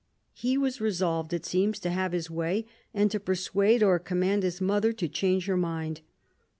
He was resolved, it seems, to have his way, and to persuade or command his mother to change her mind.